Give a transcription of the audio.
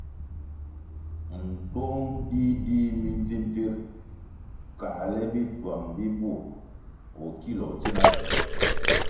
Ntuong dih dih mimbvimbvir kãhle bituang bi bur koh kiloh tsina tu.